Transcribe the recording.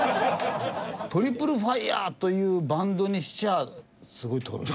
トリプルファイヤーというバンドにしちゃすごいトロい。